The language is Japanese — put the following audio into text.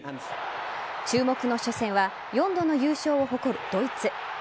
注目の初戦は４度の優勝を誇るドイツ。